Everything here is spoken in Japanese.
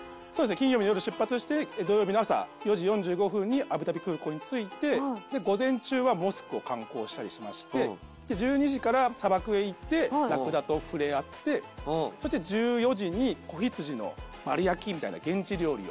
金曜日の夜出発して土曜日の朝４時４５分にアブダビ空港に着いて午前中はモスクを観光したりしまして１２時から砂漠へ行ってラクダと触れ合ってそして１４時に子羊の丸焼きみたいな現地料理を食べて。